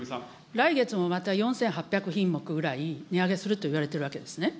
来月もまた４８００品目ぐらい値上げするといわれているわけですね。